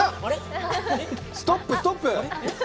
ストップ、ストップ！